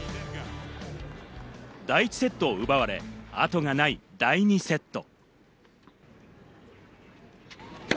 第１セットを奪われ、後がない第２セット。